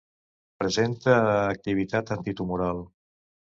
Presenta activitat antitumoral.